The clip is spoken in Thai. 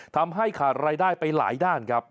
ทำให้ขาดรายได้ไปหลายด้านครับ